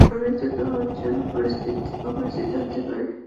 আমি তোমার জন্য অপরিচিত হতে পারি।